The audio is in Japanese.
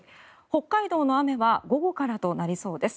北海道の雨は午後からとなりそうです。